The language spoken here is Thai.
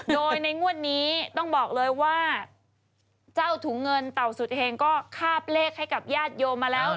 โดยในงวดนี้ต้องบอกเลยว่าเจ้าถุงเงินเต่าสุดเฮงก็คาบเลขให้กับญาติโยมมาแล้ว